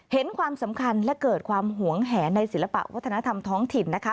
เห็นความสำคัญและเกิดความหวงแหนในศิลปะวัฒนธรรมท้องถิ่นนะคะ